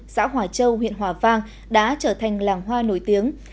xã hỏa châu huyện hỏa vang đã trở thành làng hoa nổi tiếng